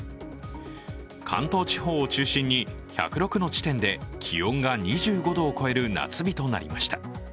関東地方を中心に１０６の地点で気温が２５度を超える夏日となりました。